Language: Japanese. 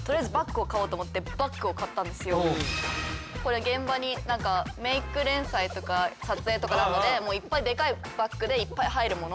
これ現場に何かメイク連載とか撮影とかあるのでいっぱいでかいバッグでいっぱい入るもの